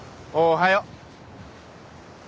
おはよう。